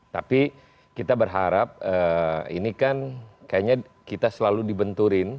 tapi kita berharap ini kan kayaknya kita selalu dibenturin